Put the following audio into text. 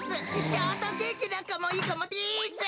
ショートケーキなんかもいいかもです。